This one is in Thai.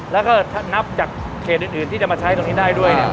แล้วก็ถ้านับจากเขตอื่นที่จะมาใช้ตรงนี้ได้ด้วยเนี่ย